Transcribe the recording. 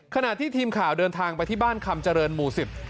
ขณะที่ทีมข่าวเดินทางไปที่บ้านคำเจริญหมู่สิบ